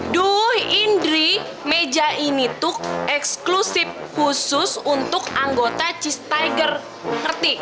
duh indri meja ini tuh eksklusif khusus untuk anggota cheese tiger herty